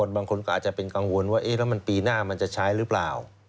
บางคนก็อาจจะเป็นกังวลว่าแล้วมันปีหน้ามันจะใช้หรือเปล่า